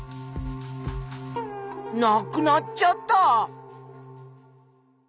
なくなっちゃった！